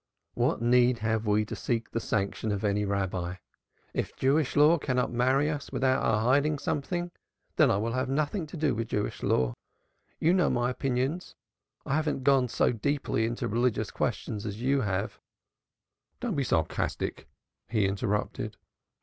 What need have we to seek the sanction of any Rabbi? If Jewish law cannot marry us without our hiding something, then I will have nothing to do with Jewish law. You know my opinions: I haven't gone so deeply into religious questions as you have " "Don't be sarcastic," he interrupted.